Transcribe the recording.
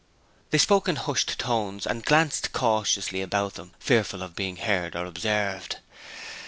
They spoke in hushed tones and glanced cautiously about them fearful of being heard or observed.